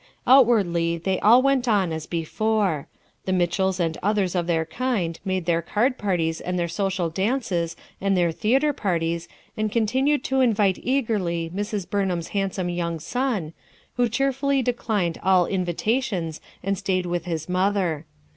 Outwardly they all went on as before. The Mitchells and others of their kind made their card parties and their social dances and their theatre parties and continued to invite eagerly Mrs. Buraham's handsome young son, who cheer fully declined all invitations and stayed with his "NEVER MIND, MOMMIE" 27 mother.